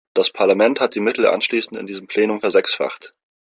Das Parlament hat die Mittel anschließend in diesem Plenum versechsfacht.